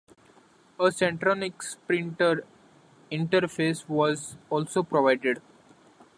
A Centronics printer interface was also provided.